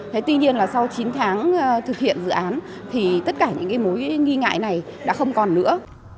thế tuy nhiên là sau chín tháng thực hiện dự án thì tất cả những mối nghi ngại này đã không còn nữa